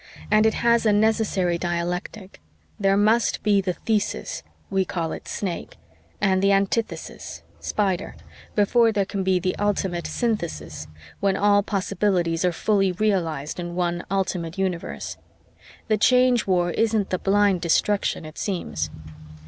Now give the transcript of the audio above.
And it has a necessary dialectic: there must be the thesis we call it Snake and the antithesis Spider before there can be the ultimate synthesis, when all possibilities are fully realized in one ultimate universe. The Change War isn't the blind destruction it seems.